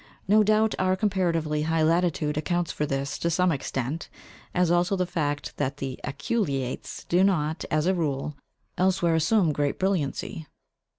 No doubt our comparatively high latitude accounts for this to some extent, as also the fact that the aculeates do not, as a rule, elsewhere assume great brilliancy.